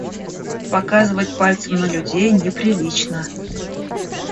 Показывать пальцем на людей неприлично!